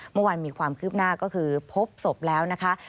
เมื่อวานมีความคืบหน้าก็คือพบศพแล้วนะคะ